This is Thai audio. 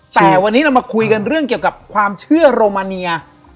แต่วันนี้เรามาคุยกันเรื่องเกี่ยวกับความเชื่อโรมาเนีย